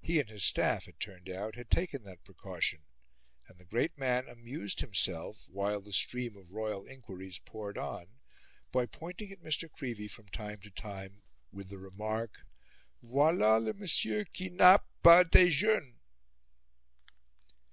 He and his staff, it turned out, had taken that precaution, and the great man amused himself, while the stream of royal inquiries poured on, by pointing at Mr. Creevey from time to time with the remark, "Voila le monsieur qui n'a pas dejeune!"